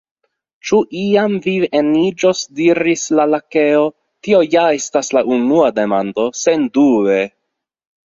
"Ĉu iam vi eniĝos?" diris la Lakeo. "Tio ja estas la unua demando. Sendube! "